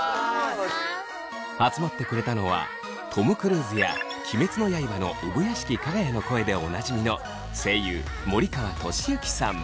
集まってくれたのはトム・クルーズや「鬼滅の刃」の産屋敷耀哉の声でおなじみの声優森川智之さん。